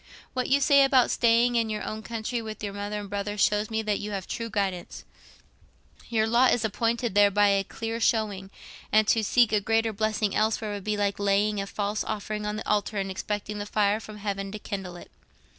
What you say about staying in your own country with your mother and brother shows me that you have a true guidance; your lot is appointed there by a clear showing, and to seek a greater blessing elsewhere would be like laying a false offering on the altar and expecting the fire from heaven to kindle it.